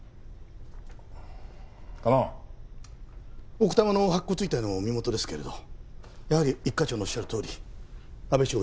奥多摩の白骨遺体の身元ですけれどやはり一課長のおっしゃるとおり阿部祥平。